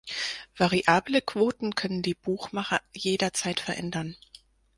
Variable Quoten können die Buchmacher jederzeit verändern.